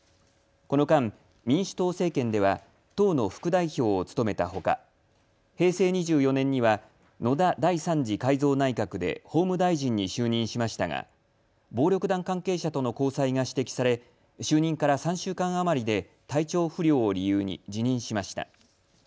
この間、民主党政権では党の副代表を務めたほか平成２４年には野田第３次改造内閣で法務大臣に就任しましたが暴力団関係者との交際が指摘され、就任から３週間余りで体調不良を理由に辞任しました。